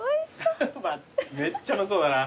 めっちゃうまそうだな。